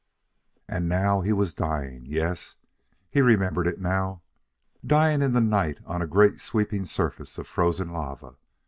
And now he was dying yes, he remembered it now dying in the night on a great, sweeping surface of frozen lava....